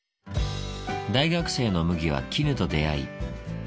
大学生の麦は絹と出会い。